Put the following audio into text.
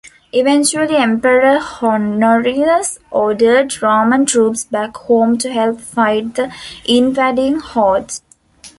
Eventually emperor Honorius ordered Roman troops back home to help fight the invading hordes.